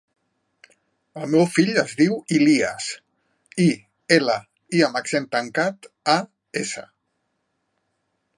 El meu fill es diu Ilías: i, ela, i amb accent tancat, a, essa.